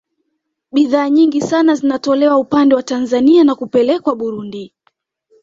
Bidhaa nyingi sana zinatolewa upande wa Tanzania na kupelekwa Burundi